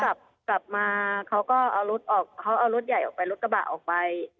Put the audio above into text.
กลับมาเขาก็เอารถออกเขาเอารถใหญ่ออกไปรถกระบะออกไป